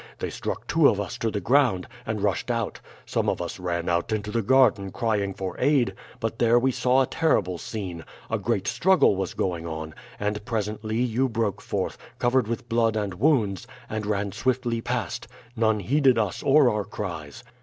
They struck two of us to the ground, and rushed out. Some of us ran out into the garden crying for aid, but there we saw a terrible scene. A great struggle was going on, and presently you broke forth, covered with blood and wounds, and ran swiftly past. None heeded us or our cries.